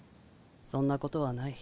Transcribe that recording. そんなことはない。